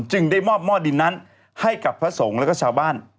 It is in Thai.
ได้มอบหม้อดินนั้นให้กับพระสงฆ์แล้วก็ชาวบ้าน